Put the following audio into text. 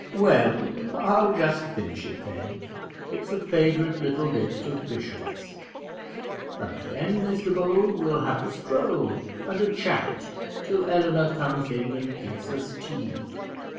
"Well, I'll just finish it then; it's a favourite little bit of Bishop's; and then, Mr Bold, we'll have a stroll and a chat till Eleanor comes in and gives us tea."